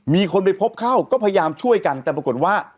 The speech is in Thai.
มีคนไปพบเข้าก็พยายามช่วยกันแต่ปรากฏว่า